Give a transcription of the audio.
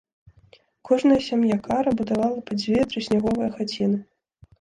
Кожная сям'я кара будавала па дзве трысняговыя хаціны.